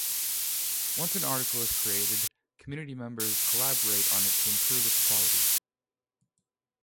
Once an article is created, community members collaborate on it to improve its quality.